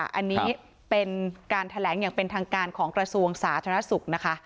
อันนี้เป็นการแถลงอย่างเป็นทางการของกระทรวงสาธารณสุขนะคะ